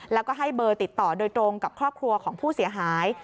แล้วก็ให้เบอร์ติดต่อโดยตรงกับครอบครัวของผู้เสียหาย